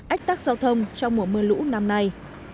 ách tắc giao thông trong mùa mưa lũ năm nay